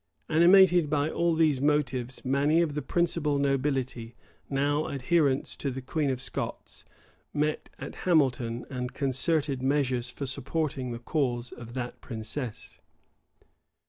Animated by all these motives, many of the principal nobility now adherents to the queen of Scots, met at Hamilton, and concerted measures for supporting the cause of that princess.